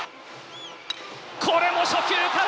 これも初球から！